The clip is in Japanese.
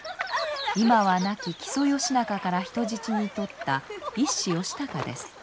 今は亡き木曽義仲から人質に取った一子義高です。